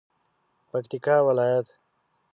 پکتیکا ولایت